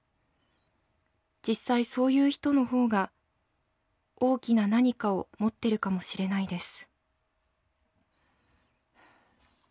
実際そういう人の方が大きな何かを持ってるかもしれないです」。